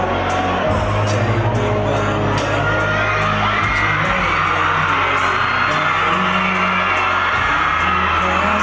มันใจมันว่าว่าจะไม่อยากให้เธอสันใด